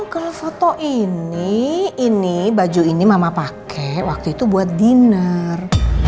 kalau foto ini ini baju ini mama pakai waktu itu buat dinner